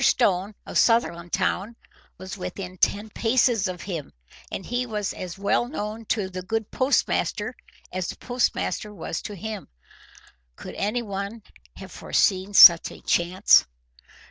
Stone of Sutherlandtown was within ten paces of him, and he was as well known to the good postmaster as the postmaster was to him. Could anyone have foreseen such a chance!